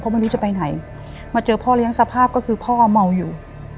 ไม่รู้จะไปไหนมาเจอพ่อเลี้ยงสภาพก็คือพ่อเมาอยู่